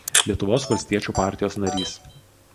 Lietuvos valstiečių partijos narys.